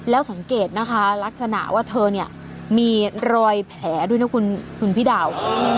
แล้วสังเกตนะคะลักษณะว่าเธอเนี่ยมีรอยแผลด้วยนะคุณพี่ดาว